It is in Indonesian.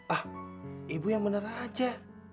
ah ibu yang bener aja